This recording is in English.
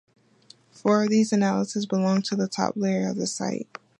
Four of these analyses belonged to the top layers of the site.